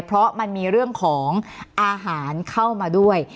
เพราะมันมีเรื่องของอาหารเข้ามาด้วย